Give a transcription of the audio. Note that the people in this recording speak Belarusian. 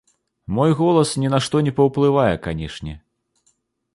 Мой голас ні на што не паўплывае, канечне.